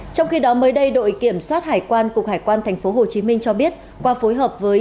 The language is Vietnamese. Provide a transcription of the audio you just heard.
trong khi đó mới đây đội kiểm soát hải quan cục hải quan tp hcm cho biết qua phối hợp với